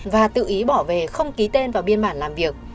và tự ý bỏ về không ký tên vào biên bản làm việc